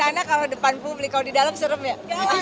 karena kalau depan publik kalau di dalam serem ya